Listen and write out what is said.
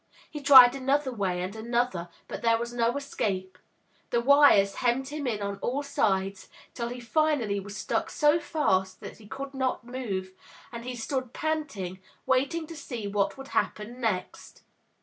He tried another way and another, but there was no escape; the wires hemmed him in on all sides, till he finally was stuck so fast that he could not move, and he stood panting, waiting to see what would happen next.